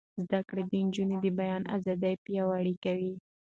زده کړه د نجونو د بیان ازادي پیاوړې کوي.